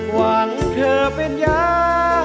หวังเธอเป็นยา